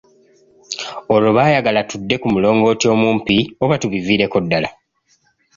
Olwo baayagala tudde ku mulongooti omumpi oba tubiviireko ddala.